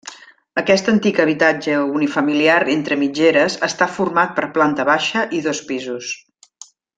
Aquest antic habitatge unifamiliar entre mitgeres està format per planta baixa i dos pisos.